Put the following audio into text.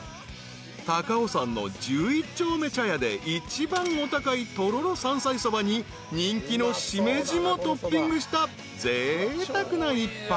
［高尾山の十一丁目茶屋で一番お高いとろろ山菜そばに人気のしめじもトッピングしたぜいたくな一杯］